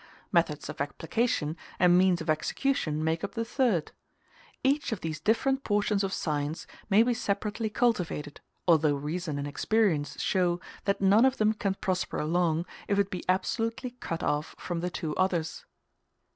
Methods of application and means of execution make up the third. Each of these different portions of science may be separately cultivated, although reason and experience show that none of them can prosper long, if it be absolutely cut off from the two others.